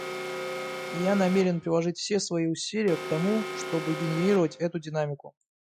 И я намерен приложить все свои усилия к тому, чтобы генерировать эту динамику.